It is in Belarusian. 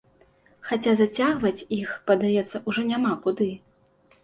Хаця зацягваць іх, падаецца, ужо няма куды.